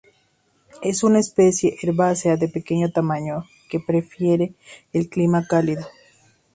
Es una especie herbácea de pequeño tamaño, que prefiere el clima cálido.